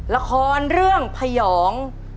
ละครเรื่องพยอง